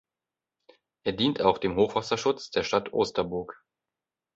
Er dient auch dem Hochwasserschutz der Stadt Osterburg.